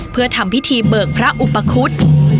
เพื่อทำพิธีเบิกพระอุปคุฎ